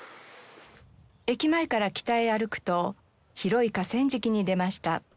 駅前から北へ歩くと広い河川敷に出ました。